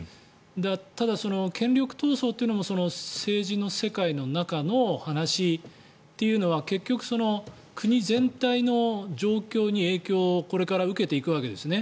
ただ、権力闘争というのも政治の世界の中の話というのは結局、国全体の状況に影響をこれから受けていくわけですね。